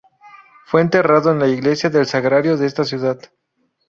Fue enterrado en la iglesia del Sagrario de esta ciudad.